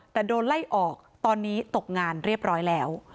แต่โดนไล่ออกตอนนี้ตกงานเรียบร้อยแล้ว